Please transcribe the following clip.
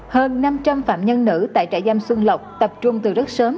hơn năm trăm linh phạm nhân nữ tại trại giam xuân lộc tập trung từ rất sớm